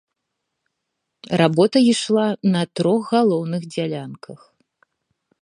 Работа ішла на трох галоўных дзялянках.